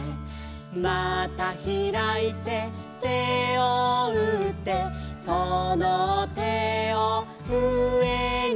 「またひらいて手をうって」「その手をうえに」